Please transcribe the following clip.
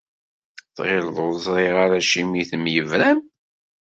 Tɣileḍ ur ẓriɣ ara acimi temyebram?